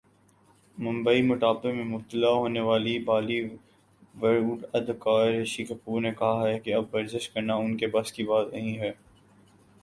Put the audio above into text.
ممبئی موٹاپے میں مبتلا ہونے والے بالی ووڈ اداکار رشی کپور نے کہا ہے کہ اب ورزش کرنا انکے بس کی بات نہیں ہے